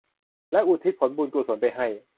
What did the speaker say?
แล้วอุทิศผลบุญกุศลไปให้